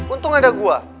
untung ada gue